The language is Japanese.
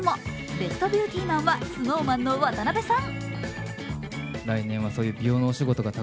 ベストビューティマンはＳｎｏｗＭａｎの渡辺さん。